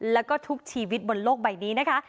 แล้วก็ทุกชีวิตบนโลกใบนี้นะคะ